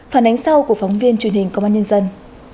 phản ánh sau của phóng viên truyền hình công an nhân dân